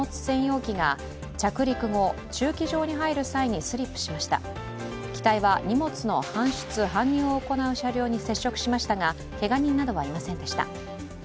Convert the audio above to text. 機体は荷物の搬出・搬入を行う車両に接触しましたがけが人などはいませんでした。